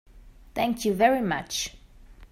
Thank you very much.